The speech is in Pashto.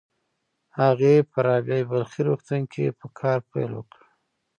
هغې په رابعه بلخي روغتون کې په کار پيل وکړ.